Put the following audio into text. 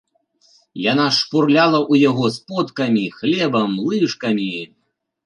Яна шпурляла ў яго сподкамі, хлебам, лыжкамі.